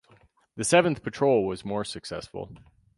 The seventh patrol was more successful.